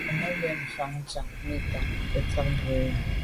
Memo’ bèn mfa’ ntsha mi ntàn ke ntsha bwe’e lo.